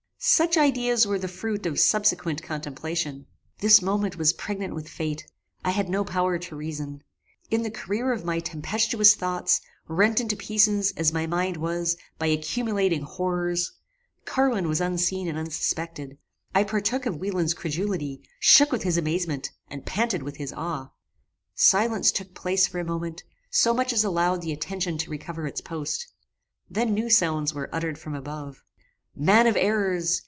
Such ideas were the fruit of subsequent contemplation. This moment was pregnant with fate. I had no power to reason. In the career of my tempestuous thoughts, rent into pieces, as my mind was, by accumulating horrors, Carwin was unseen and unsuspected. I partook of Wieland's credulity, shook with his amazement, and panted with his awe. Silence took place for a moment; so much as allowed the attention to recover its post. Then new sounds were uttered from above. "Man of errors!